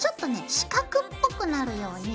四角っぽくなるように。